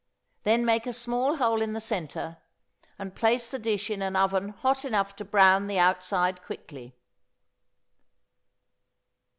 Then make a small hole in the centre, and place the dish in an oven hot enough to brown the outside quickly.